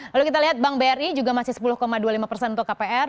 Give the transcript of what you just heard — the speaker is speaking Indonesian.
lalu kita lihat bank bri juga masih sepuluh dua puluh lima persen untuk kpr